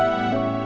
berdua nih tante